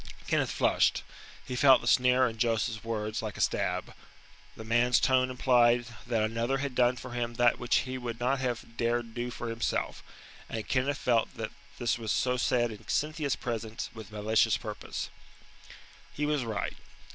Kenneth flushed. He felt the sneer in Joseph's, words like a stab. The man's tone implied that another had done for him that which he would not have dared do for himself, and Kenneth felt that this was so said in Cynthia's presence with malicious, purpose. He was right.